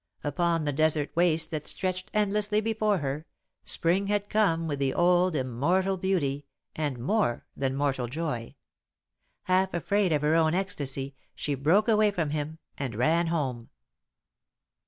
Upon the desert wastes that stretched endlessly before her, Spring had come with the old, immortal beauty, and more than mortal joy. Half afraid of her own ecstasy, she broke away from him and ran home.